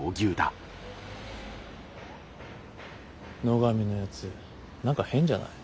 野上のやつ何か変じゃない？